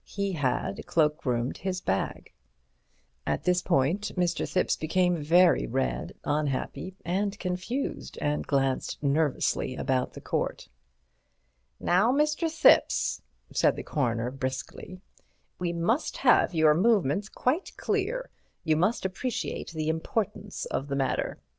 He had cloak roomed his bag. At this point Mr. Thipps became very red, unhappy and confused, and glanced nervously about the court. "Now, Mr. Thipps," said the Coroner, briskly, "we must have your movements quite clear. You must appreciate the importance of the matter.